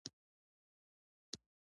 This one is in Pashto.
کېله د ویښتانو تویېدل بندوي.